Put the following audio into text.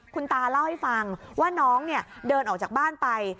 คุณตาเล่าให้ฟังว่าน้องเดินออกจากบ้านไป